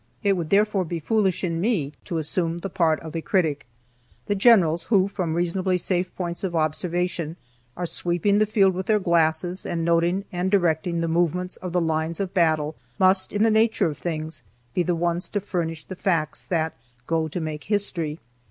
It would therefore be foolish in me to assume the part of a critic. The generals, who, from reasonably safe points of observation, are sweeping the field with their glasses, and noting and directing the movements of the lines of battle, must, in the nature of things, be the ones to furnish the facts that go to make history.